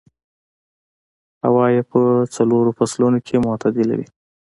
هوا يې په څلورو فصلونو کې معتدله وي.